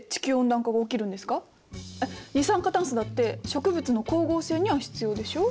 二酸化炭素だって植物の光合成には必要でしょう？